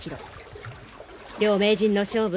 両名人の勝負